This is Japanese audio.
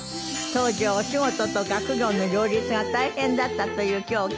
当時はお仕事と学業の両立が大変だったという今日